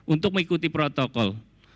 untuk mengikuti protokol